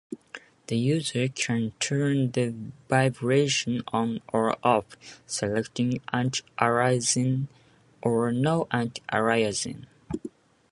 The user can turn the vibration on or off, selecting anti-aliasing or no anti-aliasing.